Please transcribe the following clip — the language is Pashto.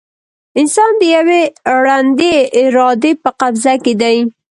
انسان د یوې ړندې ارادې په قبضه کې دی.